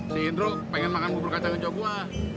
si indruk pengen makan bubur kacang kecoh gua